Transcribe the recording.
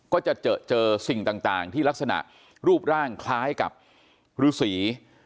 ก็จะเจอสิ่งต่างที่ลักษณะรูปร่างคล้ายกับฤษี